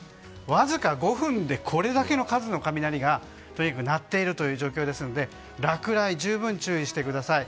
わずか５分で、これだけの数の雷が鳴っているという状況なので落雷、十分注意してください。